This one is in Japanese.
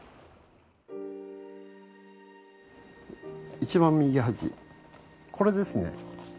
一番右端これですね。